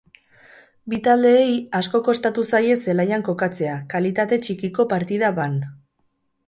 Bi taldeei asko kostatu zaie zelaian kokatzea, kalitate txikiko partida baan.